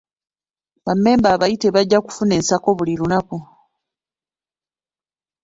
Bammemba abayite bajja kufunanga ensako buli lunaku.